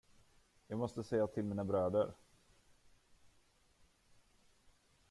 Jag måste säga till mina bröder.